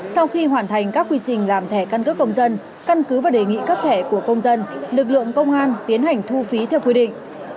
sau khi hoàn thành các quy trình làm thẻ căn cước công dân căn cứ và đề nghị cấp thẻ của công dân lực lượng công an tiến hành thu phí theo quy định